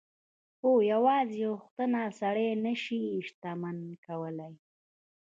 خو يوازې غوښتنه سړی نه شي شتمن کولای.